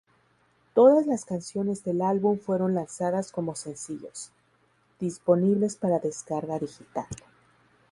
Todas las canciones del álbum fueron lanzadas como sencillos, disponibles para descarga digital.